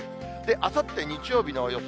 あさって日曜日の予想